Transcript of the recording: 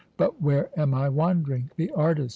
But where am I wandering? 'The artist!'